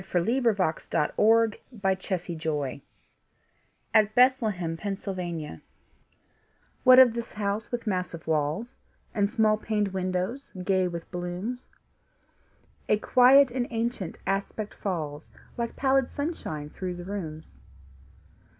Sarah Orne Jewett The Widow's House (At Bethlehem, Pennsylvania) WHAT of this house with massive walls And small paned windows, gay with blooms? A quaint and ancient aspect falls Like pallid sunshine through the rooms.